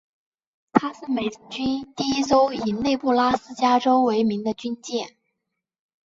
她是美军第一艘以内布拉斯加州为名的军舰。